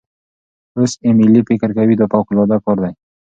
اوس ایمیلی فکر کوي دا فوقالعاده کار دی.